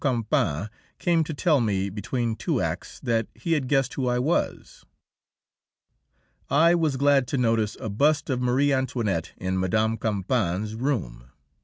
Campan came to tell me, between two acts, that he had guessed who I was. I was glad to notice a bust of Marie Antoinette in Mme. Campan's room.